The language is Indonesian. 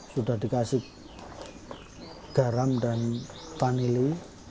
sudah dikasih garam dan vanili